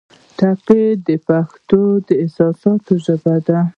ټپه د پښتو د احساساتو ژبه ده.